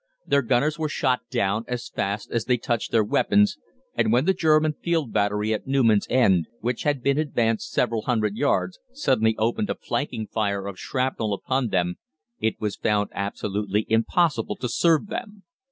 Their gunners were shot down as fast as they touched their weapons, and when the German field battery at Newman's End, which had been advanced several hundred yards, suddenly opened a flanking fire of shrapnel upon them, it was found absolutely impossible to serve them.